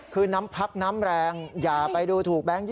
คือน้ำพักน้ำแรงอย่าไปดูถูกแบงค์๒๐